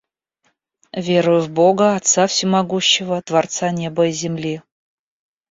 Верую в Бога, Отца всемогущего, Творца неба и земли.